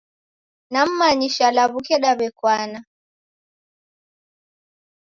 Nammanyisha law'uke daw'ekwana.